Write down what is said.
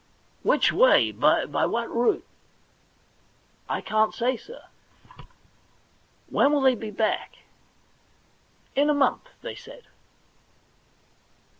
* Which way — by what route ?'* I can't say, sir.' * When will they be back ?'* In a month, they said.'